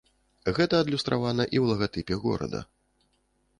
Гэта адлюстравана і ў лагатыпе горада.